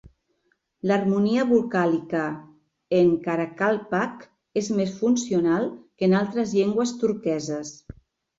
L'harmonia vocàlica en Karakalpak és més funcional que en altres llengües turqueses.